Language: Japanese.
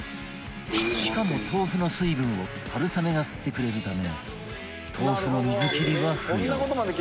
しかも豆腐の水分を春雨が吸ってくれるため豆腐の水切りは不要